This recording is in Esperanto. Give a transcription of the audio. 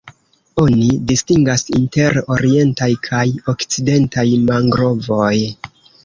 Oni distingas inter Orientaj kaj Okcidentaj mangrovoj.